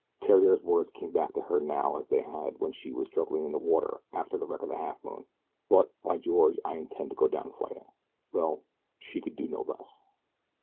Theriere's words came back to her now as they had when she was struggling in the water after the wreck of the Halfmoon: "but, by George, I intend to go down fighting." Well, she could do no less.